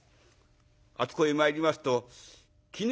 あそこへ参りますときぬ